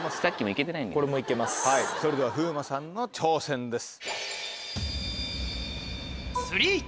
それでは風磨さんの挑戦です。